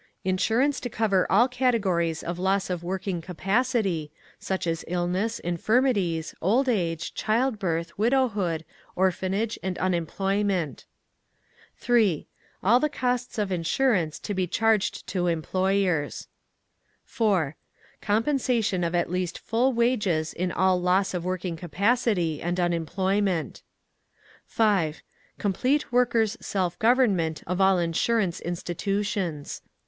Insurance to cover all categories of loss of working capacity, such as illness, infirmities, old age, childbirth, widowhood, orphanage, and unemployment. 3. All the costs of insurance to be charged to employers. 4. Compensation of at least full wages in all loss of working capacity and unemployment. 5. Complete workers' self government of all Insurance institutions.